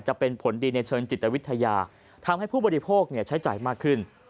จะเป็นผลดีในเชิงจิตวิทยาทำให้ผู้บริโภคใช้จ่ายมากขึ้น